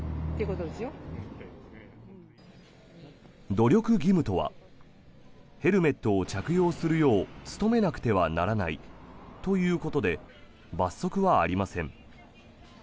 努力義務とはヘルメットを着用するよう努めなければならないということで罰則はありません。